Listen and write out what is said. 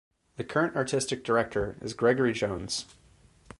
The current Artistic Director is Gregory Jones.